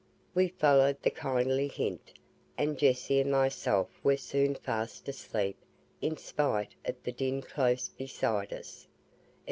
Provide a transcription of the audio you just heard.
We followed the kindly hint, and Jessie and myself were soon fast asleep in spite of the din close beside us.